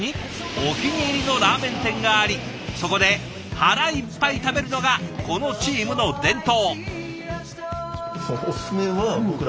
お気に入りのラーメン店がありそこで腹いっぱい食べるのがこのチームの伝統。